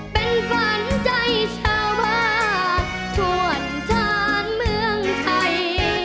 เป็นฝันใจชาวบ้านชวนจานเมืองไทย